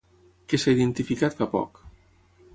Què s'ha identificat fa poc?